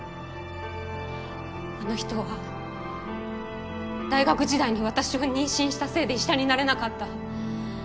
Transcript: あの人は大学時代に私を妊娠したせいで医者になれなかった。